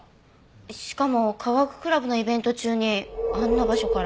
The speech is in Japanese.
しかも科学クラブのイベント中にあんな場所から。